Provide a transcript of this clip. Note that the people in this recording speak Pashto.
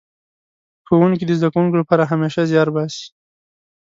ښوونکي د زده کوونکو لپاره همېشه زيار باسي.